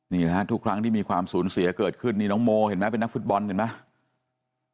นี่ล่ะครั้งที่มีความสูญเสียเกิดขึ้นนี่น้องโมเป็นนักฟุตบอลเห็นไหม